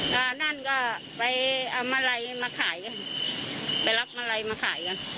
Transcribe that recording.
ก็นั่นก็ไปเอามาลัยมาขายกันไปรับมาลัยมาขายกัน